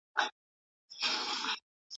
زما انارګلي زما ښایستې خورکۍ